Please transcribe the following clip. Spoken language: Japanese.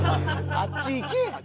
あっち行け！